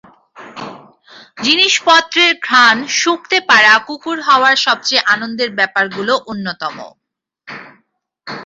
জিনিসপত্রের ঘ্রাণ শুঁকতে পারা কুকুর হওয়ার সবচেয়ে আনন্দের ব্যাপারগুলো অন্যতম।